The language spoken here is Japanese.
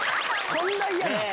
そんな嫌なん？